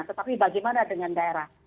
tetapi bagaimana dengan daerah